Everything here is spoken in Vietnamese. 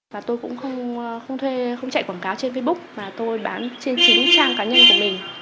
và tôi cũng không chạy quảng cáo trên facebook mà tôi bán trên chính trang cá nhân của mình